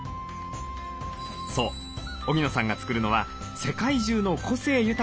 そう荻野さんが作るのは世界中の個性豊かな料理。